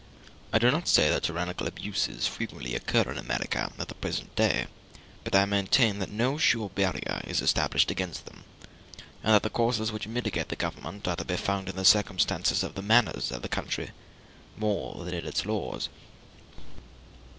I do not say that tyrannical abuses frequently occur in America at the present day, but I maintain that no sure barrier is established against them, and that the causes which mitigate the government are to be found in the circumstances and the manners of the country more than in its laws.